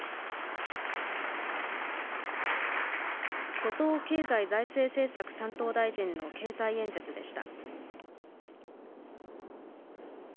後藤経済財政政策担当大臣の経済演説でした。